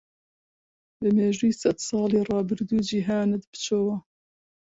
بە میژووی سەدساڵی ڕابردوو جیهاند بچۆوە.